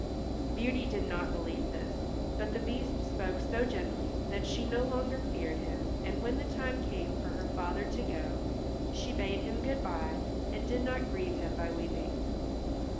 Beauty did not believe this, but the Beast spoke so gently that she no longer feared him and when the time came for her father to go she bade him good by and did not grieve him by weeping.